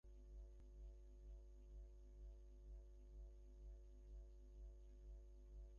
সুখে হোক, দুঃখে হোক, সে এতদিন এক ঘরের এক গৃহিণী ছিল।